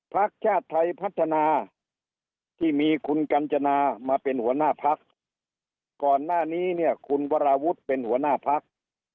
พักชาติไทยพัฒนาที่มีคุณกัญจนามาเป็นหัวหน้าพักก่อนหน้านี้เนี่ยคุณวราวุฒิเป็นหัวหน้าพัก